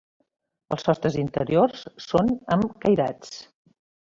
Els sostres interiors són amb cairats.